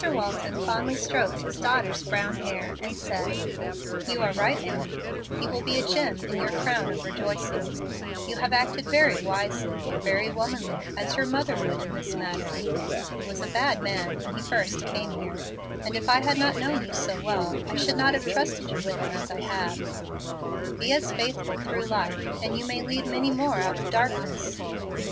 Walton fondly stroked his daughter's brown hair, and said, "You are right, Annie; he will be a gem in your crown of rejoicing. You have acted very wisely, very womanly, as your mother would, in this matter. He was a bad man when he first came here, and if I had not known you so well, I should not have trusted you with him as I have. Be as faithful through life, and you may lead many more out of darkness."